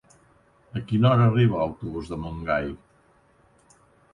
A quina hora arriba l'autobús de Montgai?